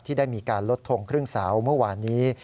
ได้มีการลดทงครึ่งเสาเมื่อวานนี้